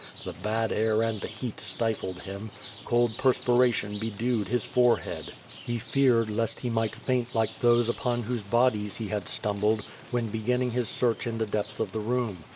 The bad air and the heat stifled him. Cold perspiration bedewed his fore head. He feared lest he might faint like those upon whose bodies he had stumbled, when beginning his search in the depths of the room.